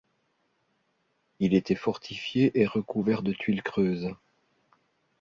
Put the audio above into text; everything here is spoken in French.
Il était fortifié et recouvert de tuiles creuses.